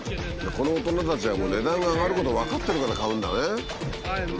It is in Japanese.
この大人たちは値段が上がることを分かってるから買うんだね。